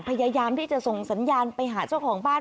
พยายามที่จะส่งสัญญาณไปหาเจ้าของบ้าน